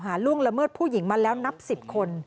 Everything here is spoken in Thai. ล่วงละเมิดผู้หญิงมาแล้วนับ๑๐คน